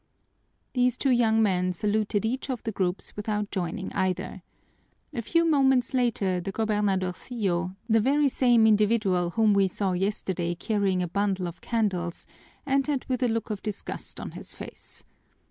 These two young men saluted each of the groups without joining either. A few moments later the gobernadorcillo, the very same individual whom we saw yesterday carrying a bundle of candles, entered with a look of disgust on his face.